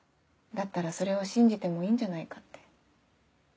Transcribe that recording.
だったらそれを信じてもいいんじゃないかって。